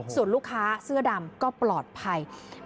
ส่วนลูกค้าเสื้อดำก็ปลอดภัย